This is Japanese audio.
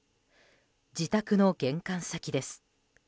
自宅の玄関先です。